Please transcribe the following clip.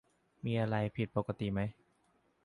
มีอะไรผิดปกติไหม